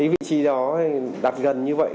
vị trí đó đặt gần như vậy